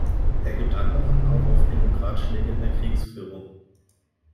Er gibt anderen auch oft Ratschläge in der Kriegsführung.